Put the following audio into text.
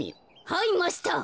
はいマスター。